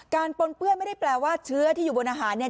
ปนเปื้อนไม่ได้แปลว่าเชื้อที่อยู่บนอาหารเนี่ย